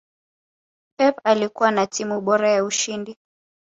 pep alikuwa na timu bora ya ushindi